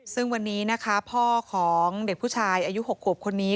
ซึ่งวันนี้นะคะพ่อของเด็กผู้ชายอายุ๖ขวบคนนี้